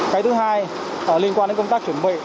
cái thứ hai liên quan đến công tác chuẩn bị